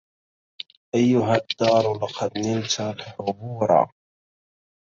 أيها الدار لقد نلت الحبورا